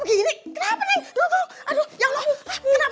nasih liwet pakai petek dan pakai teri